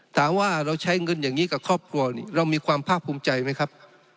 ถามว่าเราใช้เงินอย่างนี้กับครอบครัวนี้เรามีความภาคภูมิใจไหมครับ